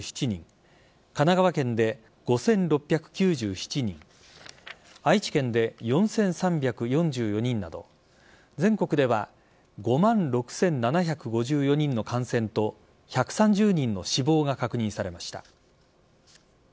神奈川県で５６９７人愛知県で４３４４人など全国では５万６７５４人の感染と１３０人の死亡が確認されました。